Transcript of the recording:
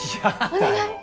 お願い！